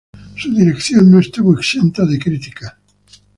Su dirección no estuvo exenta de críticas.